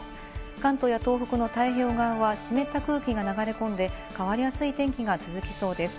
関東や東北の太平洋側は湿った空気が流れ込んで、変わりやすい天気が続きそうです。